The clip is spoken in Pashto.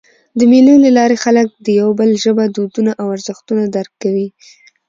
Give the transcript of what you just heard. د مېلو له لاري خلک د یو بل ژبه، دودونه او ارزښتونه درک کوي.